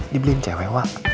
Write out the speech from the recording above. dibeli sama cewek wak